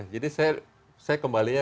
jadi saya kembalinya